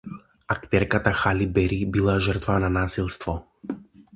Актерката Хали Бери била жртва на насилство